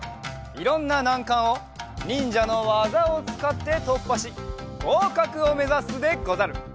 いろんななんかんをにんじゃのわざをつかってとっぱしごうかくをめざすでござる。